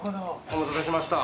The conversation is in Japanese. お待たせしました。